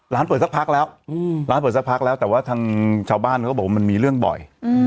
เปิดสักพักแล้วร้านเปิดสักพักแล้วแต่ว่าทางชาวบ้านเขาก็บอกว่ามันมีเรื่องบ่อย